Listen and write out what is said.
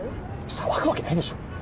騒ぐわけないでしょ！